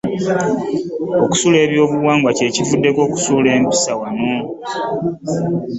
Okusuula ebyobuwangwa kye kivuddeko okusaanawo kw'empisa wano.